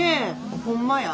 ホンマや。